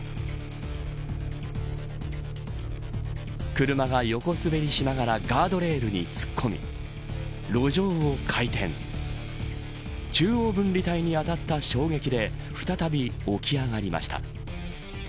車が横滑りしながらガードレールに突っ込み路上を回転中央分離帯に当たった衝撃で再び起き上がりました。